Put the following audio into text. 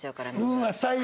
うわっ最悪！